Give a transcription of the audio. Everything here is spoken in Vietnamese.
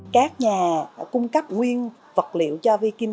các nhà cung cấp nguyên vật liệu cho viking hiện tại